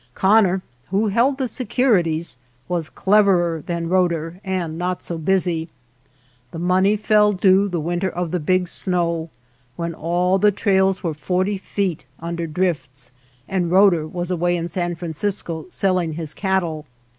Connor, who held the securities, was cleverer than Roeder and not so busy. The money fell due the winter of the Big Snow, when all the trails were forty feet under drifts, and Roeder was away in San Francisco selling his cattle.